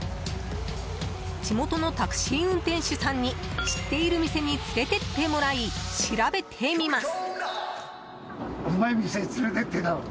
地元のタクシー運転手さんに知っている店に連れてってもらい調べてみます。